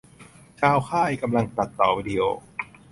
ชาวค่ายกำลังตัดต่อวีดิโอ